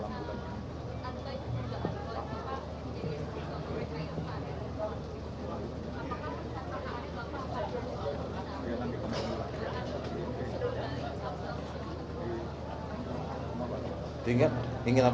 apakah tetangga hari bapak